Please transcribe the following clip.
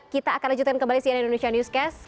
kita akan lanjutkan kembali si anonimusia newscast